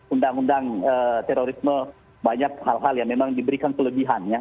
undang undang terorisme banyak hal hal yang memang diberikan kelebihan ya